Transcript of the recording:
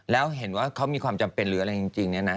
แล้วเห็นว่าเขามีความจำเป็นหรืออะไรจริงเนี่ยนะ